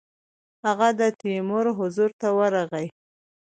هغه د تیمور حضور ته ورغی.